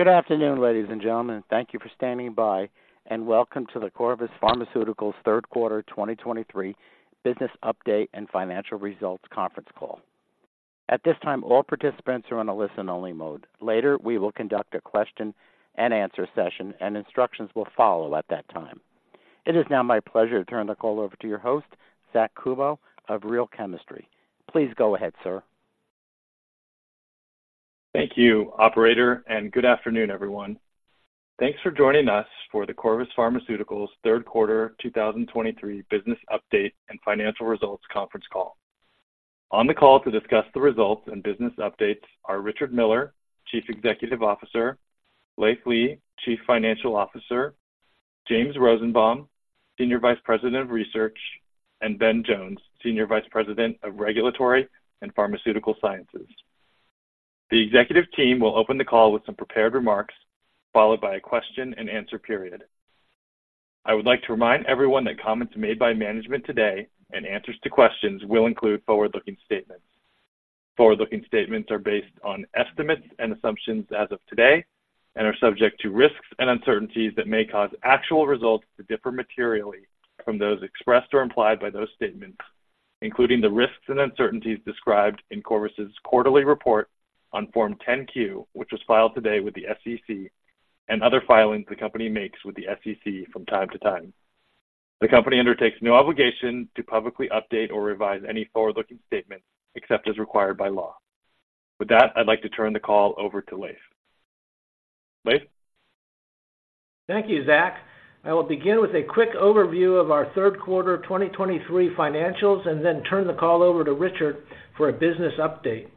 Good afternoon, ladies and gentlemen. Thank you for standing by, and welcome to the Corvus Pharmaceuticals Third Quarter 2023 Business Update and Financial Results Conference Call. At this time, all participants are on a listen-only mode. Later, we will conduct a question and answer session, and instructions will follow at that time. It is now my pleasure to turn the call over to your host, Zack Kubow, of Real Chemistry. Please go ahead, sir. Thank you, operator, and good afternoon, everyone. Thanks for joining us for the Corvus Pharmaceuticals Third Quarter 2023 Business Update and Financial Results conference call. On the call to discuss the results and business updates are Richard Miller, Chief Executive Officer, Leiv Lea, Chief Financial Officer, James Rosenbaum, Senior Vice President of Research, and Ben Jones, Senior Vice President of Regulatory and Pharmaceutical Sciences. The executive team will open the call with some prepared remarks, followed by a question and answer period. I would like to remind everyone that comments made by management today, and answers to questions will include forward-looking statements. Forward-looking statements are based on estimates and assumptions as of today and are subject to risks and uncertainties that may cause actual results to differ materially from those expressed or implied by those statements, including the risks and uncertainties described in Corvus's quarterly report on Form 10-Q, which was filed today with the SEC, and other filings the company makes with the SEC from time to time. The company undertakes no obligation to publicly update or revise any forward-looking statements except as required by law. With that, I'd like to turn the call over to Leiv. Leiv? Thank you, Zack. I will begin with a quick overview of our third quarter 2023 financials and then turn the call over to Richard for a business update.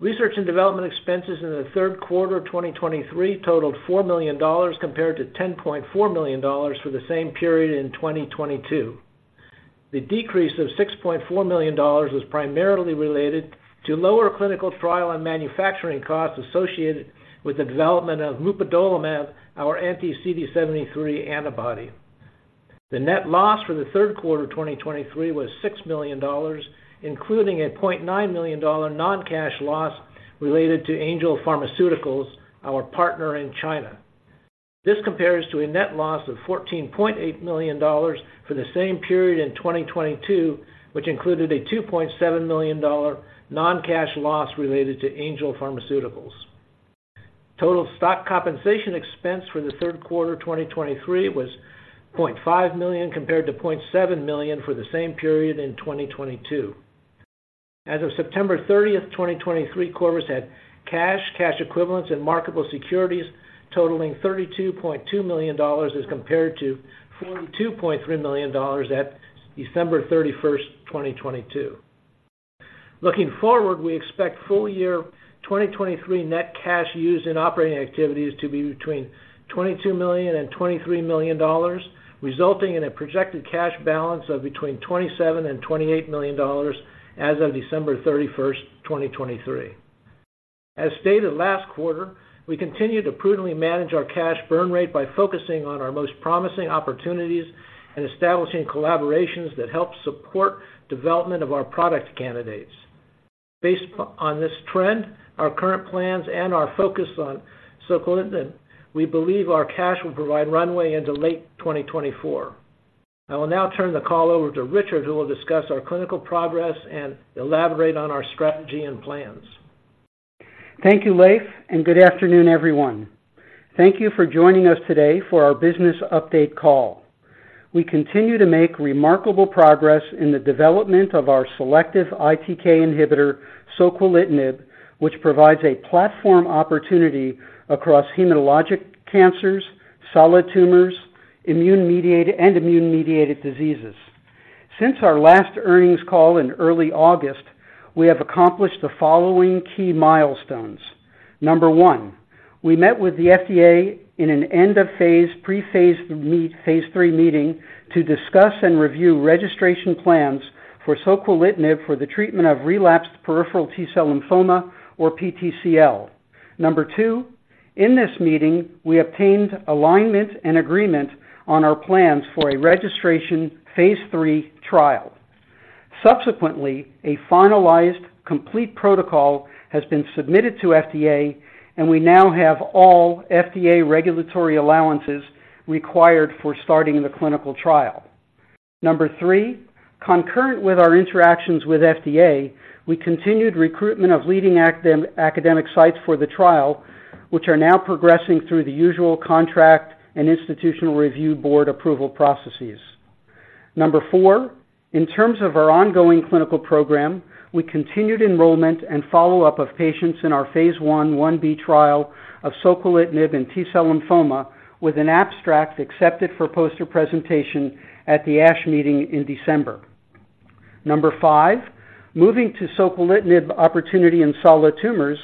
Research and development expenses in the third quarter of 2023 totaled $4 million, compared to $10.4 million for the same period in 2022. The decrease of $6.4 million was primarily related to lower clinical trial and manufacturing costs associated with the development of mupadolimab, our anti-CD73 antibody. The net loss for the third quarter of 2023 was $6 million, including a $0.9 million non-cash loss related to Angel Pharmaceuticals, our partner in China. This compares to a net loss of $14.8 million for the same period in 2022, which included a $2.7 million non-cash loss related to Angel Pharmaceuticals. Total stock compensation expense for the third quarter 2023 was $0.5 million, compared to $0.7 million for the same period in 2022. As of September 30, 2023, Corvus had cash, cash equivalents, and marketable securities totaling $32.2 million as compared to $42.3 million at December 31, 2022. Looking forward, we expect full year 2023 net cash used in operating activities to be between $22 million and $23 million, resulting in a projected cash balance of between $27 million and $28 million as of December 31, 2023. As stated last quarter, we continue to prudently manage our cash burn rate by focusing on our most promising opportunities and establishing collaborations that help support development of our product candidates. Based on this trend, our current plans, and our focus on soquelitinib, we believe our cash will provide runway into late 2024. I will now turn the call over to Richard, who will discuss our clinical progress and elaborate on our strategy and plans. Thank you, Leiv, and good afternoon, everyone. Thank you for joining us today for our business update call. We continue to make remarkable progress in the development of our selective ITK inhibitor, soquelitinib, which provides a platform opportunity across hematologic cancers, solid tumors, immune-mediated, and immune-mediated diseases. Since our last earnings call in early August, we have accomplished the following key milestones. Number one: we met with the FDA in an end-of-phase, pre-phase III meeting to discuss and review registration plans for soquelitinib for the treatment of relapsed peripheral T-cell lymphoma or PTCL. Number two: in this meeting, we obtained alignment and agreement on our plans for a registration phase III trial. Subsequently, a finalized, complete protocol has been submitted to FDA, and we now have all FDA regulatory allowances required for starting the clinical trial. Number 3: concurrent with our interactions with FDA, we continued recruitment of leading academic sites for the trial, which are now progressing through the usual contract and Institutional Review Board approval processes. Number 4: in terms of our ongoing clinical program, we continued enrollment and follow-up of patients our Phase I/Ib trial of soquelitinib and T-cell lymphoma, with an abstract accepted for poster presentation at the ASH meeting in December. Number 5: moving to soquelitinib opportunity in solid tumors,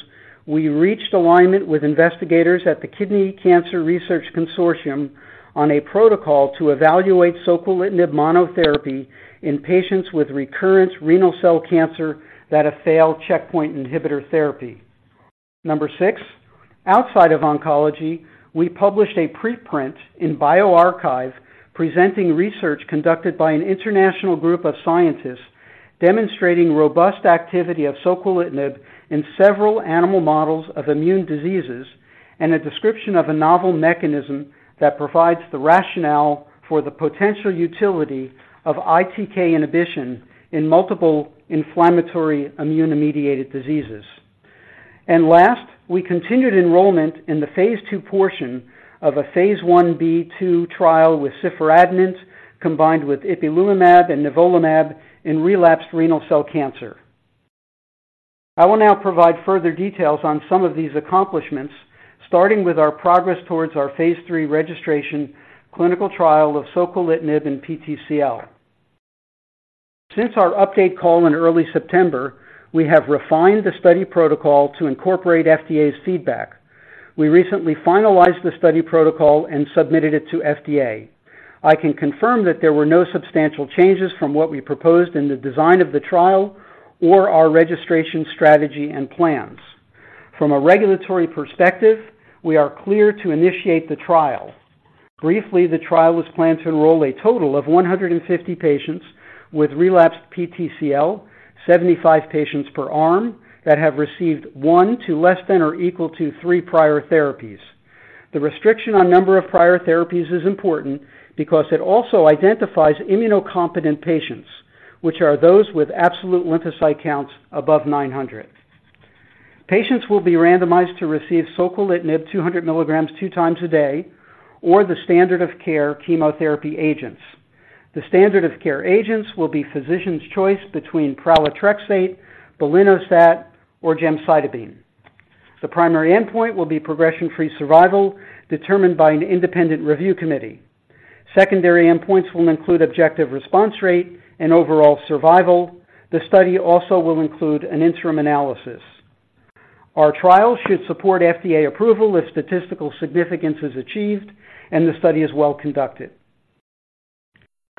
we reached alignment with investigators at the Kidney Cancer Research Consortium on a protocol to evaluate soquelitinib monotherapy in patients with recurrent renal cell cancer that have failed checkpoint inhibitor therapy. Number 6: outside of oncology, we published a preprint in bioRxiv presenting research conducted by an international group of scientists-... demonstrating robust activity of soquelitinib in several animal models of immune diseases and a description of a novel mechanism that provides the rationale for the potential utility of ITK inhibition in multiple inflammatory immune-mediated diseases. And last, we continued enrollment in the Phase II portion of a Phase I/II trial with ciforadenant, combined with ipilimumab and nivolumab in relapsed renal cell cancer. I will now provide further details on some of these accomplishments, starting with our progress towards our Phase III registration clinical trial of soquelitinib in PTCL. Since our update call in early September, we have refined the study protocol to incorporate FDA's feedback. We recently finalized the study protocol and submitted it to FDA. I can confirm that there were no substantial changes from what we proposed in the design of the trial or our registration strategy and plans. From a regulatory perspective, we are clear to initiate the trial. Briefly, the trial was planned to enroll a total of 150 patients with relapsed PTCL, 75 patients per arm, that have received 1 to less than or equal to 3 prior therapies. The restriction on number of prior therapies is important because it also identifies immunocompetent patients, which are those with absolute lymphocyte counts above 900. Patients will be randomized to receive soquelitinib, 200 milligrams, 2 times a day, or the standard of care chemotherapy agents. The standard of care agents will be physician's choice between pralatrexate, belinostat, or gemcitabine. The primary endpoint will be progression-free survival, determined by an independent review committee. Secondary endpoints will include objective response rate and overall survival. The study also will include an interim analysis. Our trial should support FDA approval if statistical significance is achieved and the study is well conducted.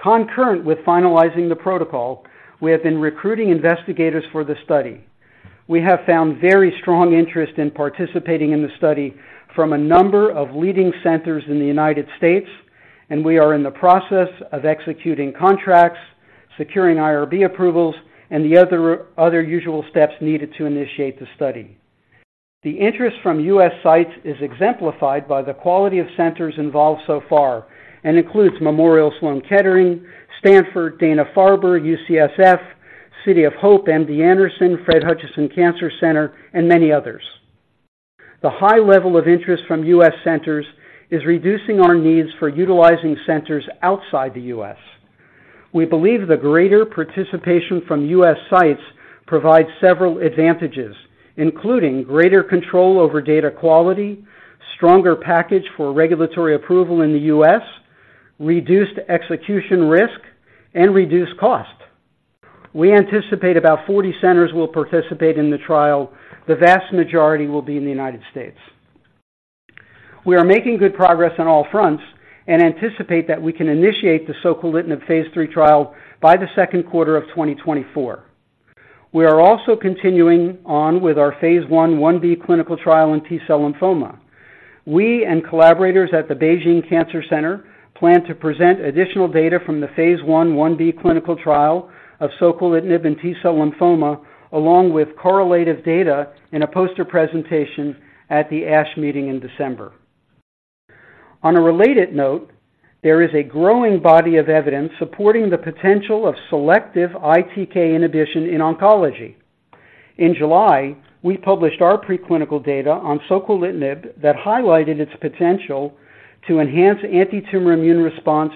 Concurrent with finalizing the protocol, we have been recruiting investigators for the study. We have found very strong interest in participating in the study from a number of leading centers in the United States, and we are in the process of executing contracts, securing IRB approvals, and the other usual steps needed to initiate the study. The interest from U.S. sites is exemplified by the quality of centers involved so far and includes Memorial Sloan Kettering, Stanford, Dana-Farber, UCSF, City of Hope, MD Anderson, Fred Hutchinson Cancer Center, and many others. The high level of interest from U.S. centers is reducing our needs for utilizing centers outside the U.S. We believe the greater participation from US sites provides several advantages, including greater control over data quality, stronger package for regulatory approval in the US, reduced execution risk, and reduced cost. We anticipate about 40 centers will participate in the trial. The vast majority will be in the United States. We are making good progress on all fronts and anticipate that we can initiate the soquelitinib Phase III trial by the second quarter of 2024. We are also continuing on with Phase I/Ib clinical trial in T-cell lymphoma. We and collaborators at the Beijing Cancer Center plan to present additional data from Phase I/Ib clinical trial of soquelitinib in T-cell lymphoma, along with correlative data in a poster presentation at the ASH meeting in December. On a related note, there is a growing body of evidence supporting the potential of selective ITK inhibition in oncology. In July, we published our preclinical data on soquelitinib that highlighted its potential to enhance antitumor immune response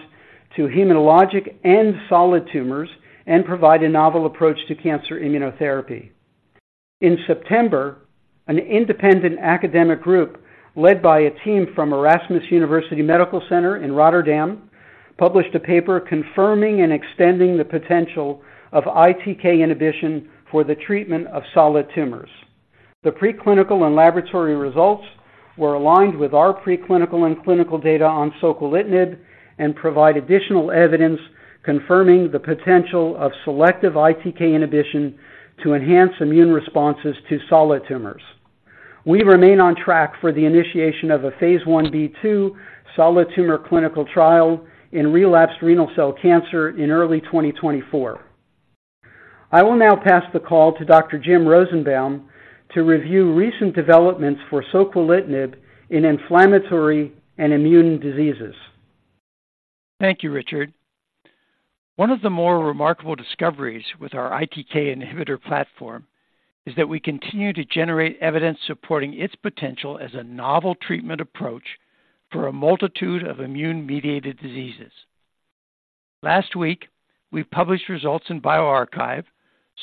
to hematologic and solid tumors and provide a novel approach to cancer immunotherapy. In September, an independent academic group led by a team from Erasmus University Medical Center in Rotterdam, published a paper confirming and extending the potential of ITK inhibition for the treatment of solid tumors. The preclinical and laboratory results were aligned with our preclinical and clinical data on soquelitinib and provide additional evidence confirming the potential of selective ITK inhibition to enhance immune responses to solid tumors. We remain on track for the initiation of a Phase Ib/II solid tumor clinical trial in relapsed renal cell cancer in early 2024. I will now pass the call to Dr. James Rosenbaum to review recent developments for soquelitinib in inflammatory and immune diseases. Thank you, Richard. One of the more remarkable discoveries with our ITK inhibitor platform is that we continue to generate evidence supporting its potential as a novel treatment approach for a multitude of immune-mediated diseases. Last week, we published results in bioRxiv,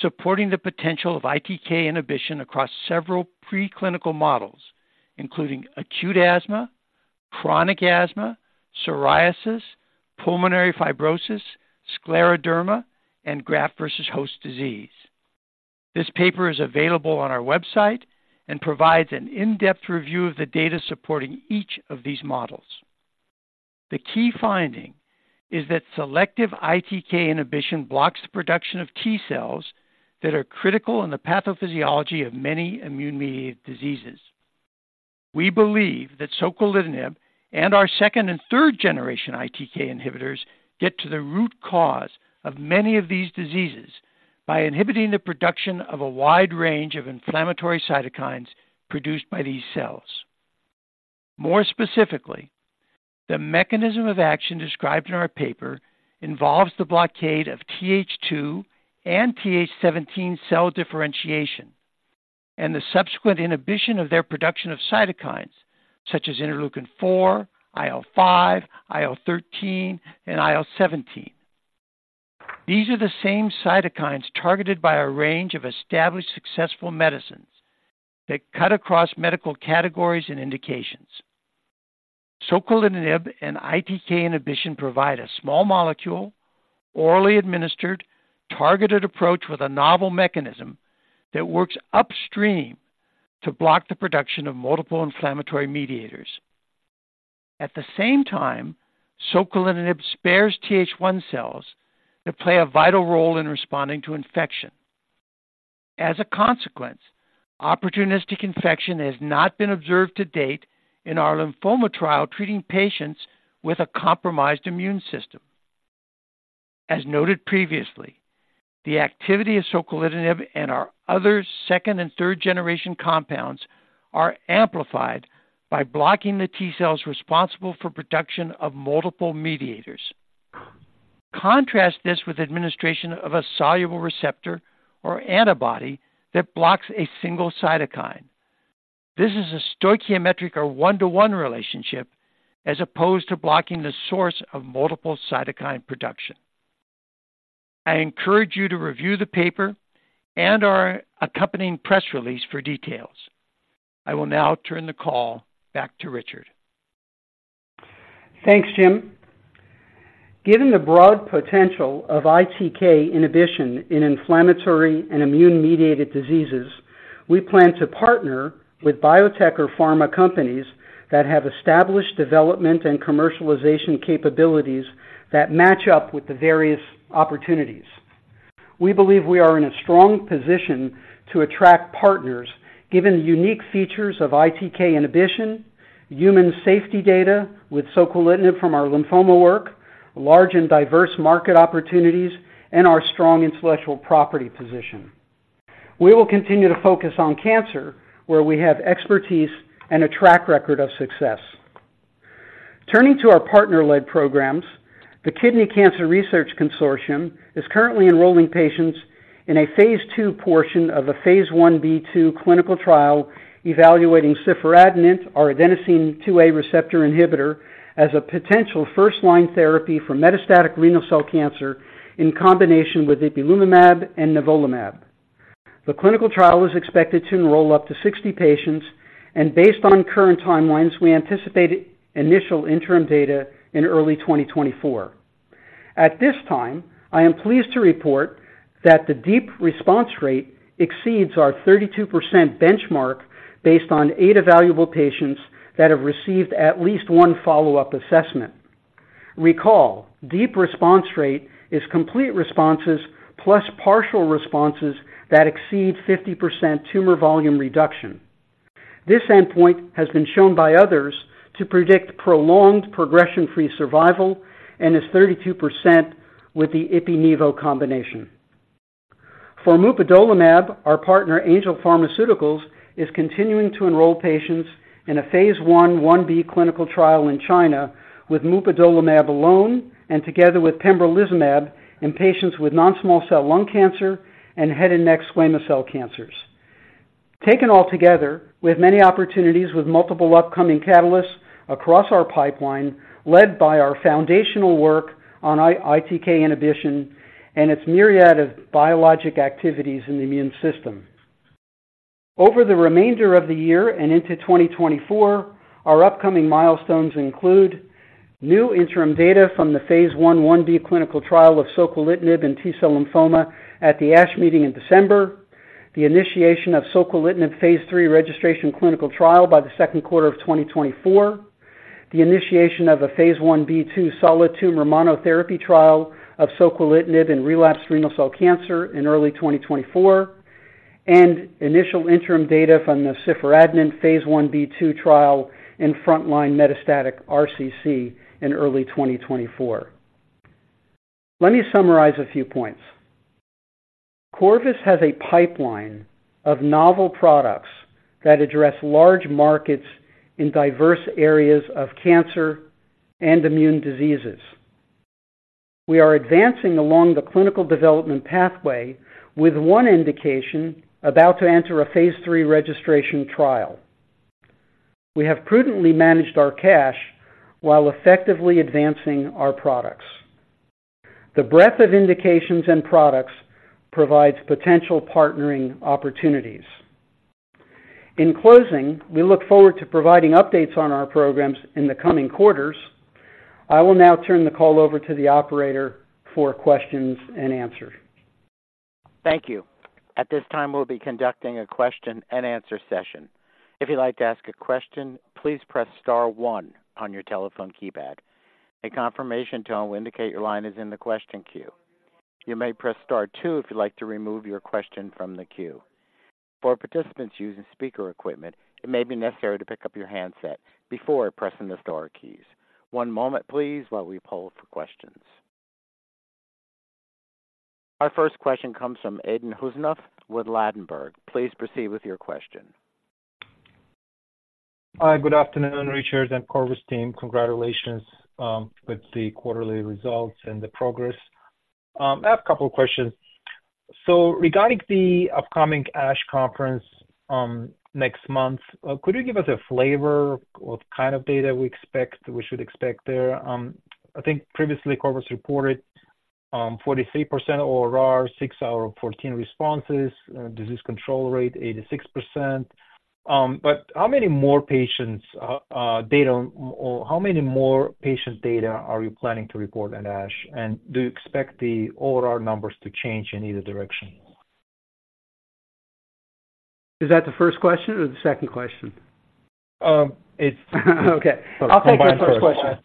supporting the potential of ITK inhibition across several preclinical models, including acute asthma, chronic asthma, psoriasis, pulmonary fibrosis, scleroderma, and graft versus host disease. This paper is available on our website and provides an in-depth review of the data supporting each of these models. The key finding is that selective ITK inhibition blocks the production of T cells that are critical in the pathophysiology of many immune-mediated diseases.... We believe that soquelitinib and our second and third generation ITK inhibitors get to the root cause of many of these diseases by inhibiting the production of a wide range of inflammatory cytokines produced by these cells. More specifically, the mechanism of action described in our paper involves the blockade of TH2 and TH17 cell differentiation and the subsequent inhibition of their production of cytokines such as interleukin-4, IL-5, IL-13, and IL-17. These are the same cytokines targeted by a range of established, successful medicines that cut across medical categories and indications. Soquelitinib and ITK inhibition provide a small molecule, orally administered, targeted approach with a novel mechanism that works upstream to block the production of multiple inflammatory mediators. At the same time, soquelitinib spares TH1 cells that play a vital role in responding to infection. As a consequence, opportunistic infection has not been observed to date in our lymphoma trial, treating patients with a compromised immune system. As noted previously, the activity of soquelitinib and our other second and third generation compounds are amplified by blocking the T cells responsible for production of multiple mediators. Contrast this with administration of a soluble receptor or antibody that blocks a single cytokine. This is a stoichiometric or one-to-one relationship, as opposed to blocking the source of multiple cytokine production. I encourage you to review the paper and our accompanying press release for details. I will now turn the call back to Richard. Thanks, Jim. Given the broad potential of ITK inhibition in inflammatory and immune-mediated diseases, we plan to partner with biotech or pharma companies that have established development and commercialization capabilities that match up with the various opportunities. We believe we are in a strong position to attract partners, given the unique features of ITK inhibition, human safety data with soquelitinib from our lymphoma work, large and diverse market opportunities, and our strong intellectual property position. We will continue to focus on cancer, where we have expertise and a track record of success. Turning to our partner-led programs, the Kidney Cancer Research Consortium is currently enrolling patients in a phase II portion of a phase Ib/II clinical trial evaluating ciforadenant, our A2A receptor inhibitor, as a potential first-line therapy for metastatic renal cell cancer in combination with ipilimumab and nivolumab. The clinical trial is expected to enroll up to 60 patients, and based on current timelines, we anticipate initial interim data in early 2024. At this time, I am pleased to report that the deep response rate exceeds our 32% benchmark, based on 8 evaluable patients that have received at least one follow-up assessment. Recall, deep response rate is complete responses plus partial responses that exceed 50% tumor volume reduction. This endpoint has been shown by others to predict prolonged progression-free survival and is 32% with the Ipi-Nivo combination. For mupadolimab, our partner, Angel Pharmaceuticals, is continuing to enroll patients in a phase I/Ib clinical trial in China with mupadolimab alone and together with pembrolizumab in patients with non-small cell lung cancer and head and neck squamous cell cancers. Taken altogether, we have many opportunities with multiple upcoming catalysts across our pipeline, led by our foundational work on ITK inhibition and its myriad of biologic activities in the immune system. Over the remainder of the year and into 2024, our upcoming milestones include new interim data from the phase I/Ib clinical trial of soquelitinib and T-cell lymphoma at the ASH meeting in December, the initiation of soquelitinib phase III registration clinical trial by the second quarter of 2024, the initiation of a phase Ib/II solid tumor monotherapy trial of soquelitinib in relapsed renal cell cancer in early 2024, and initial interim data from the ciforadenant phase Ib/II trial in frontline metastatic RCC in early 2024. Let me summarize a few points. Corvus has a pipeline of novel products that address large markets in diverse areas of cancer and immune diseases. We are advancing along the clinical development pathway with one indication about to enter a phase III registration trial. We have prudently managed our cash while effectively advancing our products. The breadth of indications and products provides potential partnering opportunities. In closing, we look forward to providing updates on our programs in the coming quarters. I will now turn the call over to the operator for questions and answers. Thank you. At this time, we'll be conducting a question and answer session. If you'd like to ask a question, please press star one on your telephone keypad. A confirmation tone will indicate your line is in the question queue.... You may press star two if you'd like to remove your question from the queue. For participants using speaker equipment, it may be necessary to pick up your handset before pressing the star keys. One moment, please, while we poll for questions. Our first question comes from Aydin Huseynov with Ladenburg. Please proceed with your question. Hi, good afternoon, Richard and Corvus team. Congratulations with the quarterly results and the progress. I have a couple of questions. So regarding the upcoming ASH conference next month, could you give us a flavor, what kind of data we expect, we should expect there? I think previously Corvus reported 43% ORR, 6 out of 14 responses, disease control rate 86%. But how many more patient data are you planning to report at ASH? And do you expect the ORR numbers to change in either direction? Is that the first question or the second question? Um, it's- Okay. Combined question. I'll take the first question.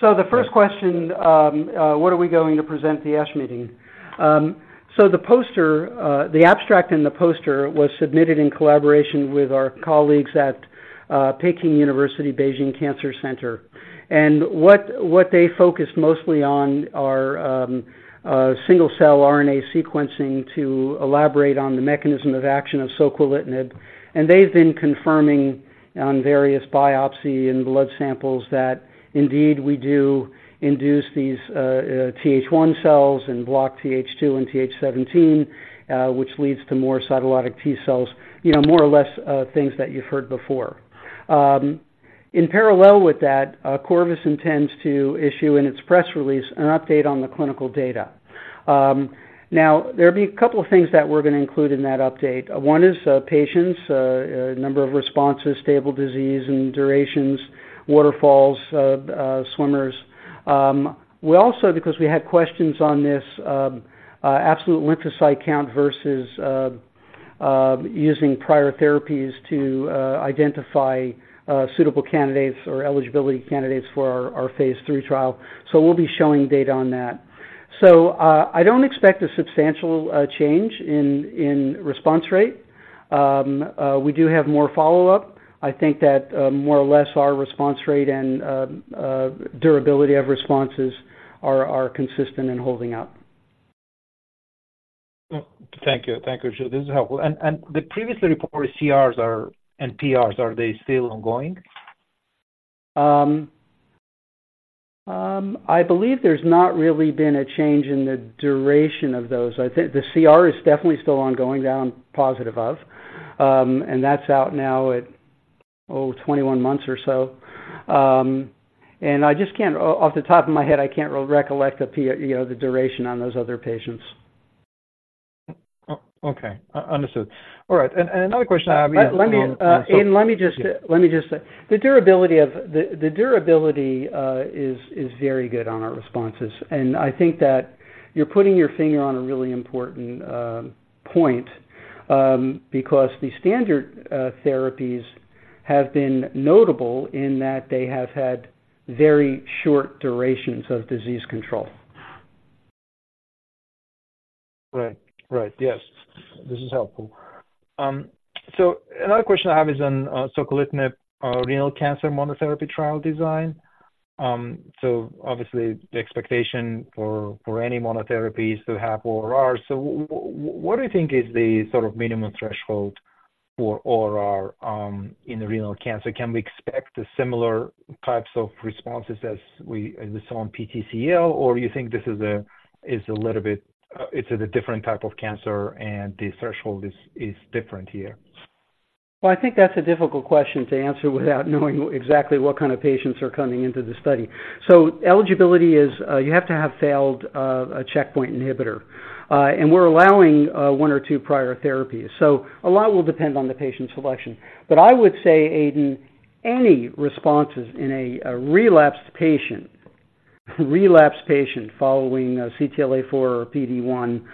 So the first question, what are we going to present at the ASH meeting? So the poster, the abstract and the poster was submitted in collaboration with our colleagues at, Peking University, Beijing Cancer Center. And what, what they focused mostly on are, single-cell RNA sequencing to elaborate on the mechanism of action of soquelitinib. And they've been confirming on various biopsy and blood samples that indeed we do induce these, TH1 cells and block TH2 and TH17, which leads to more cytolytic T cells, you know, more or less, things that you've heard before. In parallel with that, Corvus intends to issue in its press release an update on the clinical data. Now, there'll be a couple of things that we're gonna include in that update. One is patients, number of responses, stable disease and durations, waterfalls, swimmers. We also, because we had questions on this, absolute lymphocyte count versus using prior therapies to identify suitable candidates or eligibility candidates for our Phase III trial. So we'll be showing data on that. So I don't expect a substantial change in response rate. We do have more follow-up. I think that more or less, our response rate and durability of responses are consistent and holding up. Thank you. Thank you, Richard. This is helpful. And the previously reported CRs and PRs, are they still ongoing? I believe there's not really been a change in the duration of those. I think the CR is definitely still ongoing, I'm positive of, and that's out now at, oh, 21 months or so. And I just can't, off the top of my head, I can't recollect. You know, the duration on those other patients. Okay, understood. All right. And another question, Let me, Aydin, let me just- Yeah. Let me just say, the durability is very good on our responses, and I think that you're putting your finger on a really important point, because the standard therapies have been notable in that they have had very short durations of disease control. Right. Right. Yes, this is helpful. So another question I have is on soquelitinib, renal cancer monotherapy trial design. So obviously, the expectation for any monotherapy is to have ORR. So what do you think is the sort of minimum threshold for ORR in the renal cancer? Can we expect the similar types of responses as we saw on PTCL, or you think this is a little bit, it's a different type of cancer and the threshold is different here? Well, I think that's a difficult question to answer without knowing exactly what kind of patients are coming into the study. So eligibility is, you have to have failed, a checkpoint inhibitor. And we're allowing, one or two prior therapies, so a lot will depend on the patient selection. But I would say, Aydin, any responses in a, a relapsed patient, relapsed patient following a CTLA-4 or PD-1,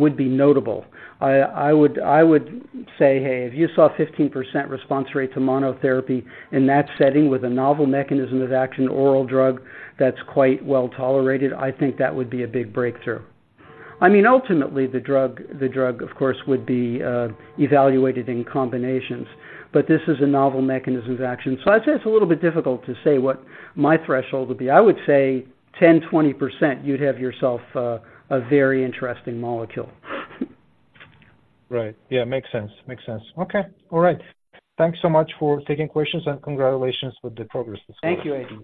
would be notable. I, I would, I would say, hey, if you saw 15% response rate to monotherapy in that setting with a novel mechanism of action, oral drug that's quite well tolerated, I think that would be a big breakthrough. I mean, ultimately, the drug, the drug, of course, would be, evaluated in combinations, but this is a novel mechanism of action. So I'd say it's a little bit difficult to say what my threshold would be. I would say 10%-20%, you'd have yourself a very interesting molecule. Right. Yeah, makes sense. Makes sense. Okay. All right. Thanks so much for taking questions, and congratulations with the progress. Thank you, Aydin.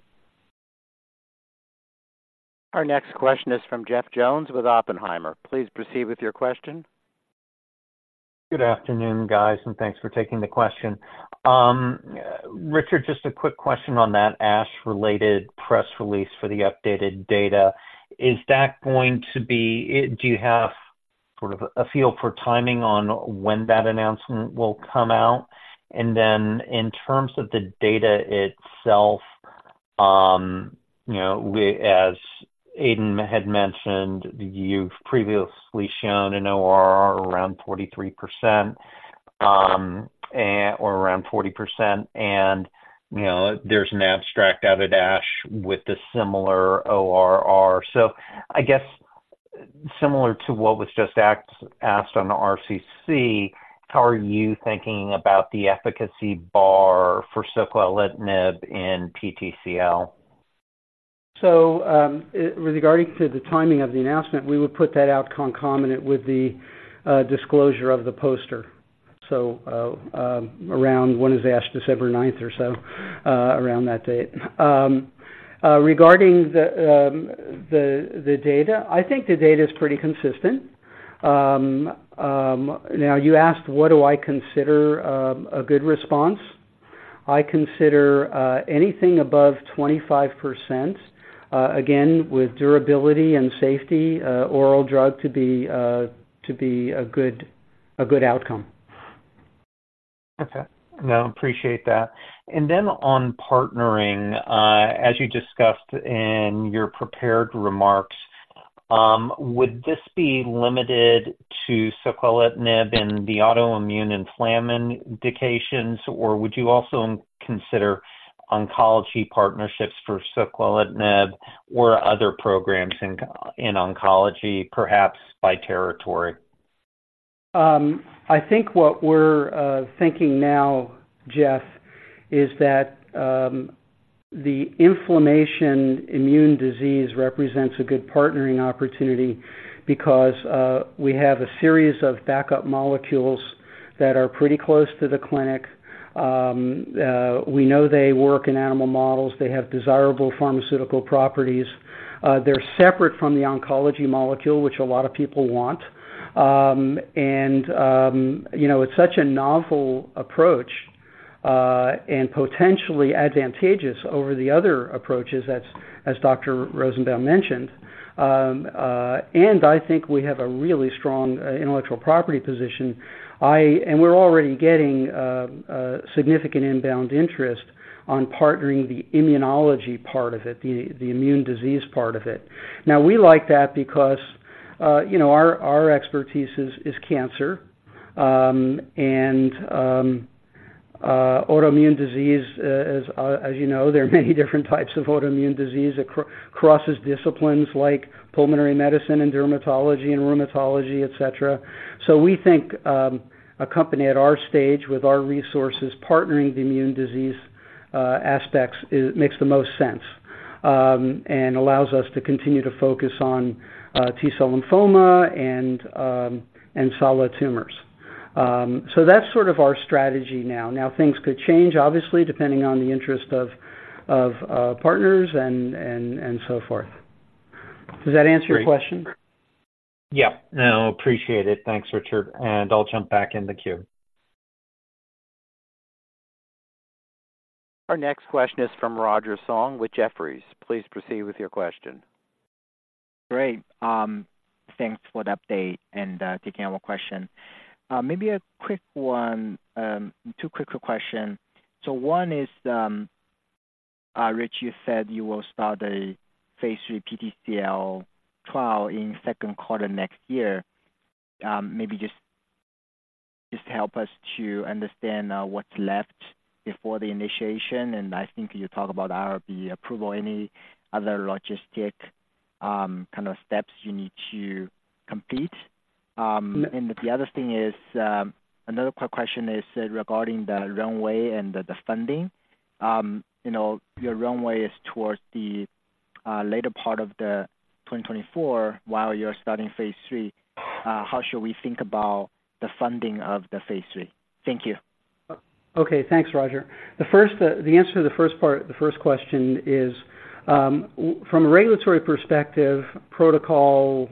Our next question is from Jeff Jones with Oppenheimer. Please proceed with your question. Good afternoon, guys, and thanks for taking the question. Richard, just a quick question on that ASH-related press release for the updated data. Is that going to be... Do you have sort of a feel for timing on when that announcement will come out? And then in terms of the data itself, you know, as Aydin had mentioned, you've previously shown an ORR around 43%... and or around 40%, and, you know, there's an abstract out of ASH with a similar ORR. So I guess, similar to what was just asked on the RCC, how are you thinking about the efficacy bar for soquelitinib in PTCL? So, with regarding to the timing of the announcement, we would put that out concomitant with the disclosure of the poster. So, around Wednesday, December ninth, or so, around that date. Regarding the data, I think the data is pretty consistent. Now, you asked, what do I consider a good response? I consider anything above 25%, again, with durability and safety, oral drug to be a good outcome. Okay. No, appreciate that. And then on partnering, as you discussed in your prepared remarks, would this be limited to soquelitinib in the autoimmune inflammation indications, or would you also consider oncology partnerships for soquelitinib or other programs in, in oncology, perhaps by territory? I think what we're thinking now, Jeff, is that the inflammation immune disease represents a good partnering opportunity because we have a series of backup molecules that are pretty close to the clinic. We know they work in animal models. They have desirable pharmaceutical properties. They're separate from the oncology molecule, which a lot of people want. And you know, it's such a novel approach and potentially advantageous over the other approaches, as Dr. Rosenbaum mentioned. And I think we have a really strong intellectual property position. And we're already getting a significant inbound interest on partnering the immunology part of it, the immune disease part of it. Now, we like that because, you know, our expertise is cancer and autoimmune disease, as you know, there are many different types of autoimmune disease. It crosses disciplines like pulmonary medicine and dermatology and rheumatology, et cetera. So we think a company at our stage, with our resources, partnering the immune disease aspects makes the most sense and allows us to continue to focus on T-cell lymphoma and solid tumors. So that's sort of our strategy now. Now, things could change, obviously, depending on the interest of partners and so forth. Does that answer your question? Yeah. No, appreciate it. Thanks, Richard, and I'll jump back in the queue. Our next question is from Roger Song with Jefferies. Please proceed with your question. Great. Thanks for the update and taking our question. Maybe a quick one, two quick question. So one is, Rich, you said you will start a Phase III PTCL trial in second quarter next year. Maybe just help us to understand, what's left before the initiation, and I think you talk about IRB approval. Any other logistic kind of steps you need to complete? And the other thing is, another quick question is regarding the runway and the funding. You know, your runway is towards the later part of 2024, while you're starting Phase III. How should we think about the funding of the Phase III? Thank you. Okay. Thanks, Roger. The first, the answer to the first part, the first question is, from a regulatory perspective, protocol,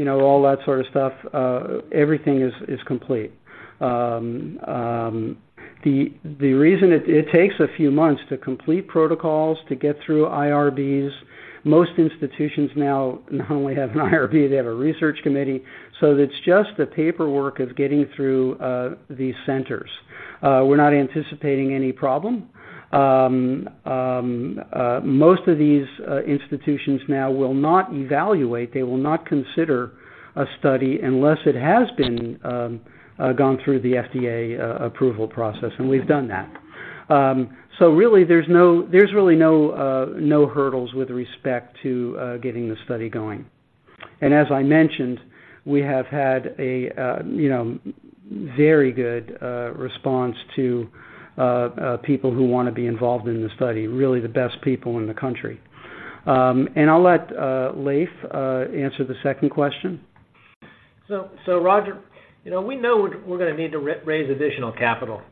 you know, all that sort of stuff, everything is complete. The reason it takes a few months to complete protocols to get through IRBs. Most institutions now not only have an IRB, they have a research committee, so it's just the paperwork of getting through these centers. We're not anticipating any problem. Most of these institutions now will not evaluate, they will not consider a study unless it has been gone through the FDA approval process, and we've done that. So really, there's really no hurdles with respect to getting the study going. As I mentioned, we have had a, you know, very good response to people who wanna be involved in the study, really the best people in the country. I'll let Leiv answer the second question. So, Roger, you know, we know we're gonna need to raise additional capital.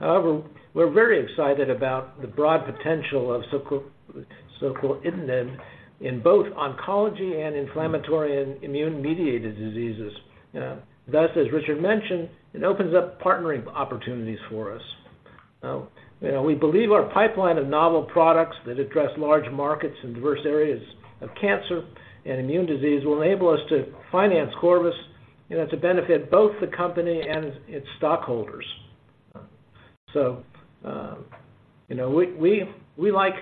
However, we're very excited about the broad potential of soquelitinib in both oncology and inflammatory and immune-mediated diseases. Thus, as Richard mentioned, it opens up partnering opportunities for us. You know, we believe our pipeline of novel products that address large markets in diverse areas of cancer and immune disease will enable us to finance Corvus, you know, to benefit both the company and its stockholders. So, you know, we like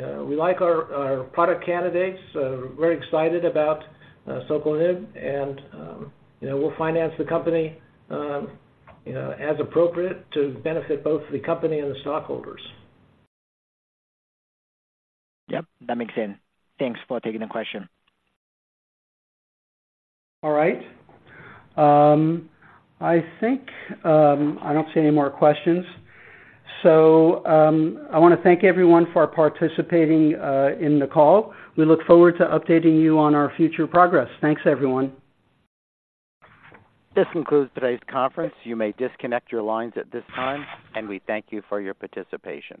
our product candidates, we're very excited about soquelitinib, and, you know, we'll finance the company as appropriate to benefit both the company and the stockholders. Yep, that makes sense. Thanks for taking the question. All right. I think, I don't see any more questions. So, I wanna thank everyone for participating in the call. We look forward to updating you on our future progress. Thanks, everyone. This concludes today's conference. You may disconnect your lines at this time, and we thank you for your participation.